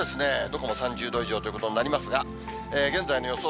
どこも３０度以上ということになりますが、現在の予想